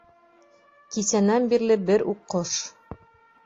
Кисәнән бирле бер үк ҡош.